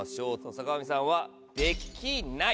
坂上さんは「できない」。